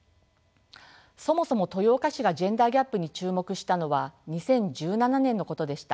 そもそも豊岡市がジェンダーギャップに注目したのは２０１７年のことでした。